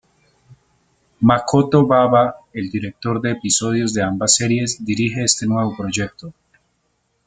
Makoto Baba, el director de episodios de ambas series, dirige este nuevo proyecto.